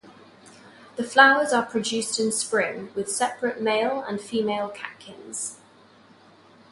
The flowers are produced in spring, with separate male and female catkins.